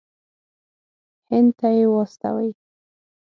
هند ته یې واستوي.